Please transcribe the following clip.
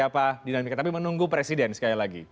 apa dinamika tapi menunggu presiden sekali lagi